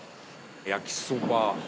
焼きそば？